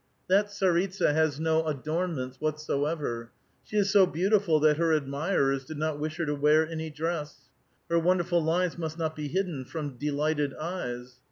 That tsaritsa has no adornments whatsoever. She is so beautiful that her admirers did not wish her to wear any dress. Her wonderful lines must not be hidden from de lighted eyes.